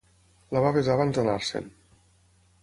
La va besar abans d'anar-se'n.